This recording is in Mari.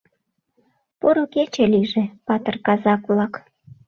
Поро кече лийже, патыр казак-влак.